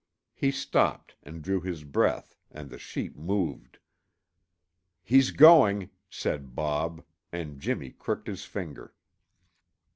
He stopped and drew his breath, and the sheep moved. "He's going," said Bob, and Jimmy crooked his finger.